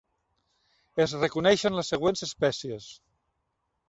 Es reconeixen les següents espècies.